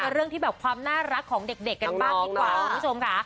เรื่องที่แบบความน่ารักของเด็กกันบ้างดีกว่าคุณผู้ชมค่ะ